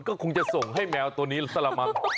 ก็คงจะส่งให้แมวตัวนี้ซะละมั้ง